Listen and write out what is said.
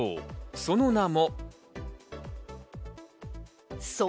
その名も。